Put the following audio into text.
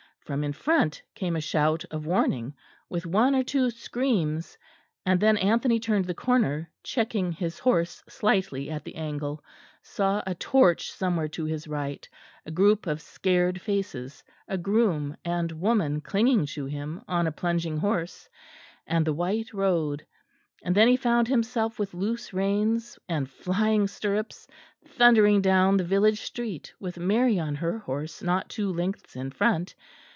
From in front came a shout of warning, with one or two screams, and then Anthony turned the corner, checking his horse slightly at the angle, saw a torch somewhere to his right, a group of scared faces, a groom and woman clinging to him on a plunging horse, and the white road; and then found himself with loose reins, and flying stirrups, thundering down the village street, with Mary on her horse not two lengths in front.